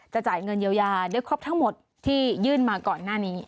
จ่ายเงินเยียวยาด้วยครบทั้งหมดที่ยื่นมาก่อนหน้านี้